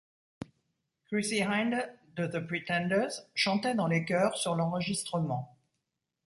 Chrissie Hynde de The Pretenders chantait dans les chœurs sur l'enregistrement.